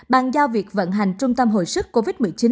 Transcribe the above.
bàn giao việc vận hành trung tâm hồi sức covid một mươi chín